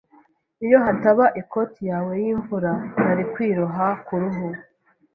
Iyo hataba ikoti yawe yimvura, nari kwiroha kuruhu.